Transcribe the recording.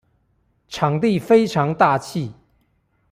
場地非常大氣